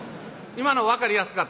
今の分かりやすかった。